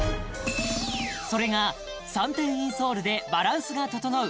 それが３点インソールでバランスが整う